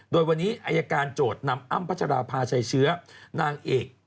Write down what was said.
โดยวันนี้อายการโจทย์นำอ้ำพัชราภาชัยเชื้อนางเอก